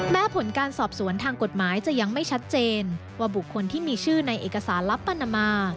แม้ผลการสอบสวนทางกฎหมายจะยังไม่ชัดเจนว่าบุคคลที่มีชื่อในเอกสารลับปานามา